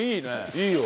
いいよ。